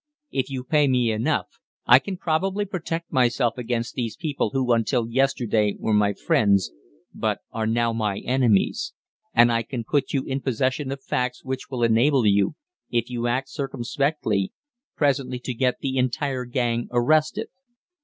If you pay me enough, I can probably protect myself against these people who until yesterday were my friends, but are now my enemies. And I can put you in possession of facts which will enable you, if you act circumspectly, presently to get the entire gang arrested."